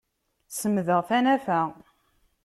Semdeɣ tanafa.